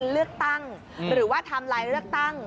เลือกตั้งหรือว่าไทม์ไลน์เลือกตั้ง